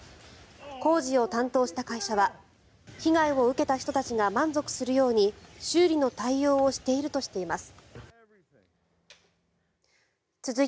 工事を担当した会社は被害を受けた人たちが満足するように修理の対応をしているとしています。